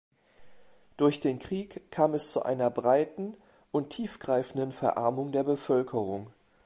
Durch den Krieg kam es zu einer breiten und tiefgreifenden Verarmung der Bevölkerung.